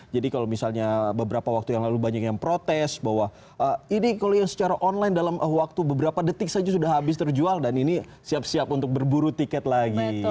kalau misalnya beberapa waktu yang lalu banyak yang protes bahwa ini kalau yang secara online dalam waktu beberapa detik saja sudah habis terjual dan ini siap siap untuk berburu tiket lagi